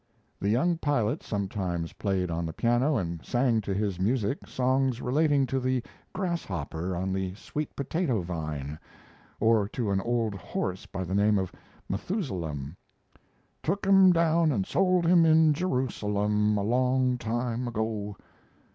The young pilot sometimes played on the piano and sang to his music songs relating to the "grasshopper on the sweet potato vine," or to an old horse by the name of Methusalem: Took him down and sold him in Jerusalem, A long time ago.